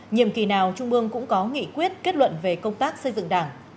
nhiệm kỳ nào trung ương cũng có nghị quyết kết luận về công tác xây dựng đảng